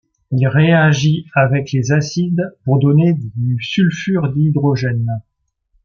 Il réagit avec les acides pour donner du sulfure d'hydrogène.